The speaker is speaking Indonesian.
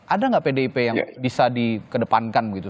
ada nggak pdip yang bisa dikedepankan begitu